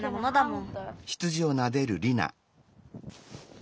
ん？